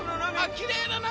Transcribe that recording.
きれいな波！